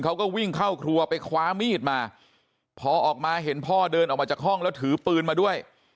เขาก็วิ่งเข้าครัวไปคว้ามีดมาพอออกมาเห็นพ่อเดินออกมาจากห้องแล้วถือปืนมาด้วย